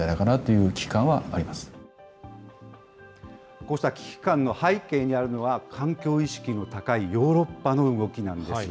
こうした危機感の背景にあるのは、環境意識の高いヨーロッパの動きなんです。